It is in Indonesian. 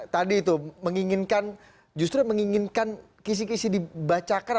kami akan segera kembali saat lain